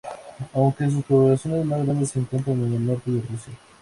Aunque sus poblaciones más grandes se encuentran en el norte de Rusia.